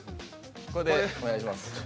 これでお願いします